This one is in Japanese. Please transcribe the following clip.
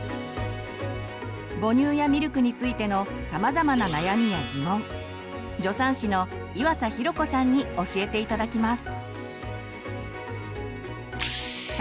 母乳やミルクについてのさまざまな悩みやギモン助産師の岩佐寛子さんに教えて頂きます。